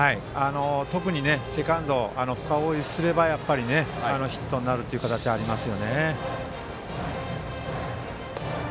特にセカンドが深追いする場合はヒットになるという形があります。